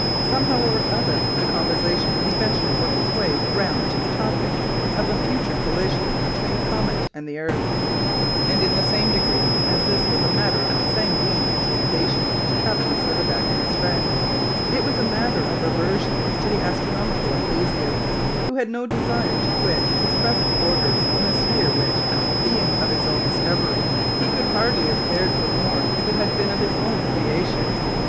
Somehow or other the conversation would eventually work its way round to the topic of a future collision between the comet and the earth; and in the same degree as this was a matter of sanguine anticipation to Captain Servadac and his friends, it was a matter of aversion to the astronomical enthusiast, who had no desire to quit his present quarters in a sphere which, being of his own discovery, he could hardly have cared for more if it had been of his own creation.